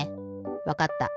わかった。